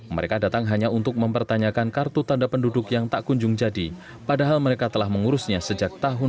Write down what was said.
mereka datang hanya untuk mempertanyakan kartu tanda penduduk yang tak kunjung jadi padahal mereka telah mengurusnya sejak tahun dua ribu dua